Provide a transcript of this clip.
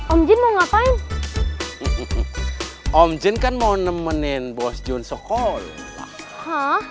om jin mau ngapain om jin kan mau nemenin bos jun sekolah